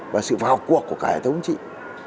và sự vào cuộc của cả hệ thống chính trị